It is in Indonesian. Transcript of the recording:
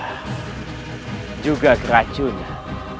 mereka juga terluka keracunan